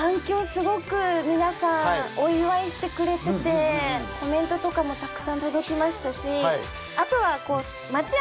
すごく皆さんお祝いしてくれててコメントとかもたくさん届きましたしあとは。